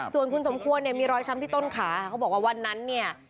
ส่วนคุณสมควรเนี่ยมีรอยช้ำที่ต้นขาเขาบอกว่าวันนั้นเนี่ย